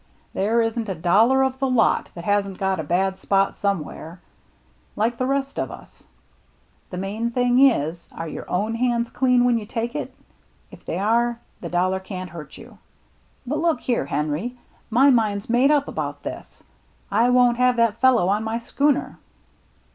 There isn't a dollar of the lot that hasn't got a bad spot somewhere, like the rest of us. The main thing is, are your own hands clean when you take it ? If they are, the dollar can't hurt you." "But look here, Henry, my mind's made up about this. I won't have that fellow on my schooner."